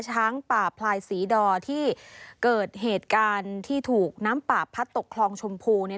ช้างป่าพลายศรีดอที่เกิดเหตุการณ์ที่ถูกน้ำป่าพัดตกคลองชมพูเนี่ย